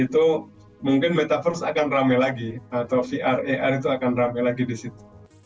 itu mungkin metaverse akan rame lagi atau vr ar itu akan rame lagi di situ